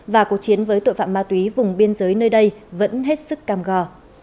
và cuộc chiến với tội phạm ma túy vùng biên giới nơi đây vẫn hết sức cam go